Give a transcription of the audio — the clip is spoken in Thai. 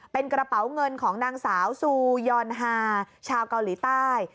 เป็นกระเป๋าเงินของนางสาวซูยอนฮาชาวเกาหลีใต้